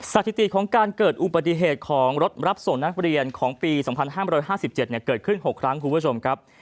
สถิติของการเกิดอุบัติเหตุของรถรับส่งนักเรียนของปี๒๕๕๗เกิดขึ้น๖ครั้งคุณผู้ชมครับ